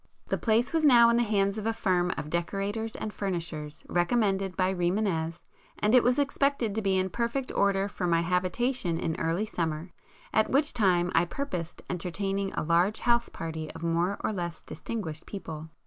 The place was now in the hands of a firm of [p 168] decorators and furnishers, recommended by Rimânez, and it was expected to be in perfect order for my habitation in early summer, at which time I purposed entertaining a large house party of more or less distinguished people.